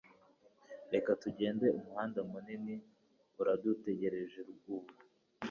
Reka tugende Umuhanda munini uradutegereje ubu